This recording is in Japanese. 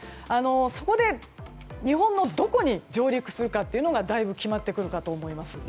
そこで日本のどこに上陸するかというのが決まってくるかと思います。